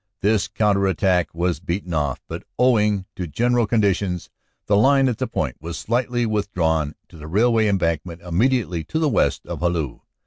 "This counter attack was beaten off, but owing to general conditions the line at that point was slightly with drawn to the railway embankment immediately to the west of Hallu.